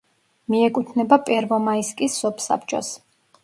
მიეკუთვნება პერვომაისკის სოფსაბჭოს.